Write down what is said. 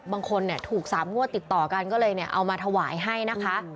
บางคนถูก๓งวดติดต่อกันก็เลยเอามาถวายให้นะคะ